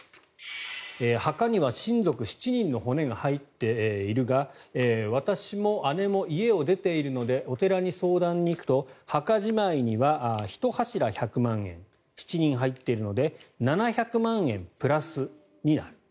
墓には親族７人の骨が入っているが私も姉も家を出ているのでお寺に相談に行くと墓じまいには１柱１００万円７人入っているので７００万円プラスになる。